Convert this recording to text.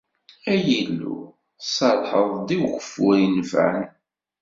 Ay Illu, tserrḥeḍ-d i ugeffur inefɛen.